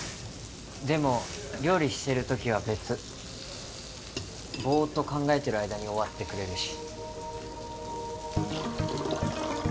でも料理してる時は別ボーッと考えてる間に終わってくれるし